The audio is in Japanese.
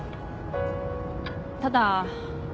ただ。